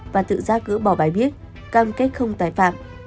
và tự ra cử bỏ bài viết cam kết không tài phạm